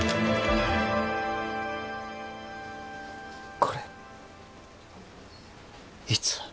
これいつ？